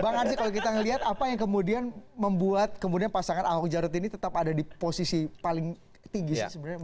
bang arzi kalau kita melihat apa yang kemudian membuat kemudian pasangan ahok jarot ini tetap ada di posisi paling tinggi sih sebenarnya